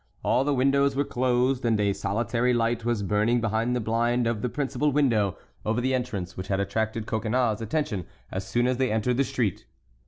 All the windows were closed, and a solitary light was burning behind the blind of the principal window over the entrance which had attracted Coconnas's attention as soon as they entered the street.